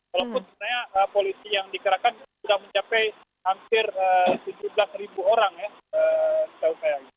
walaupun sebenarnya polisi yang dikerakan sudah mencapai hampir tujuh belas ribu orang ya